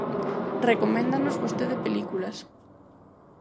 Recoméndanos vostede películas.